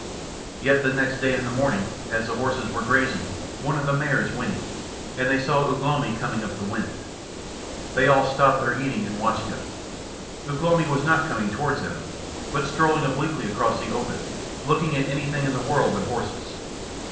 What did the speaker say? Yet the next day in the morning, as the horses were grazing, one of the mares whinnied, and they saw Ugh lomi coming up the wind. They all stopped their eating and watched him. Ugh lomi was not coming towards them, but strolling obliquely across the open, looking at anything in the world but horses.